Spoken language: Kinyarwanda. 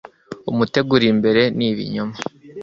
umutego uri imbere ni ibinyoma